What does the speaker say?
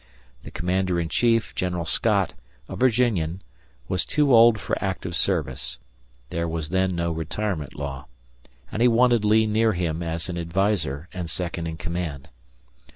The commander in chief, General Scott, a Virginian, was too old for active service there was then no retirement law and he wanted Lee near him as an adviser and second in command.